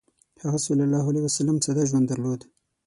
هغه ﷺ ساده ژوند درلود.